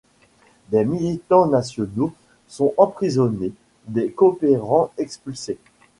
Des militants nationaux sont emprisonnés, des coopérants expulsés.